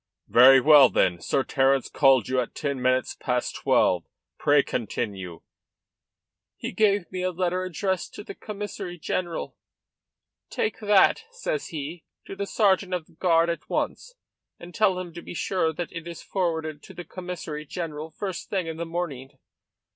"Very well, then. Sir Terence called you at ten minutes past twelve. Pray continue." "He gave me a letter addressed to the Commissary general. 'Take that,' says he, 'to the sergeant of the guard at once, and tell him to be sure that it is forwarded to the Commissary General first thing in the morning.